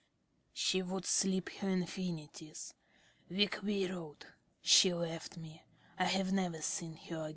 ~ She would split her infinitives.... We quarrelled.... She left me.... I have never seen her again.